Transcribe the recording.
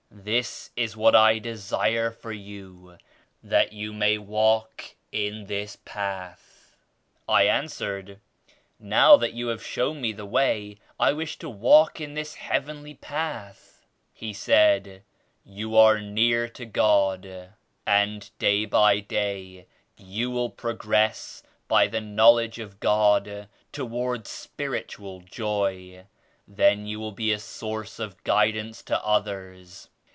This is what I desire for you; — that you may walk in this path." I answered "Now that you have shown me the way, I wish to walk in this heavenly path." He said "You are near to God and day by day you will progress by the knowledge of God toward spiritual joy. Then you will be a source of guidance to others.